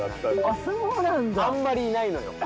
あんまりいないのよ。